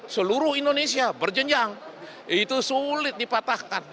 seluruh indonesia berjenjang itu sulit dipatahkan